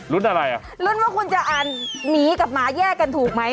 อะไรอ่ะลุ้นว่าคุณจะอ่านหมีกับหมาแยกกันถูกไหม